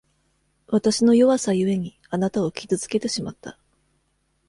わたしの弱さゆえに、あなたを傷つけてしまった。